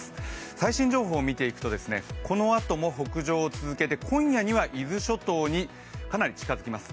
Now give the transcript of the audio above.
最新情報を見ていくとこのあとも北上を続け今夜には伊豆諸島にかなり近づきます。